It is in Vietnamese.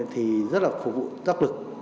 thì rất là phục vụ tác lực